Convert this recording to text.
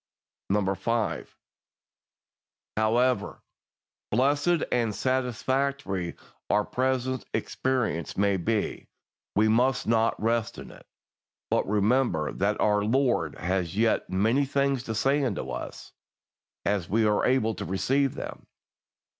5. However blessed and satisfactory our present experience may be, we must not rest in it, but remember that our Lord has yet many things to say unto us, as we are able to receive them.